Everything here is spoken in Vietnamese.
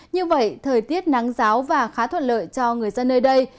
như vậy thời tiết nắng giáo và khá thuận lợi cho người dân nơi đây